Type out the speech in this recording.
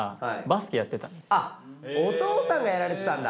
あっお父さんがやられてたんだ。